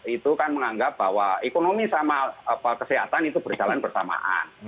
itu kan menganggap bahwa ekonomi sama kesehatan itu berjalan bersamaan